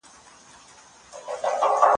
بهرنۍ پالیسي په ملي ګټو ولاړه وي.